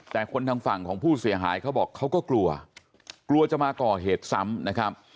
แต่คนทางฝั่งของผู้เสียหายเขาบอกเขาก็กลัวกลัวจะมาก่อเหตุซ้ำนะครับ